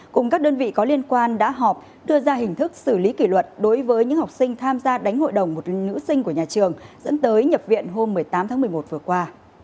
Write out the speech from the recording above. cùng các đơn vị có liên quan đã họp đưa ra hình thức xử lý kỷ luật đối với những học sinh tham gia đánh hội đồng một nữ sinh của nhà trường dẫn tới nhập viện hôm một mươi tám tháng một mươi một vừa qua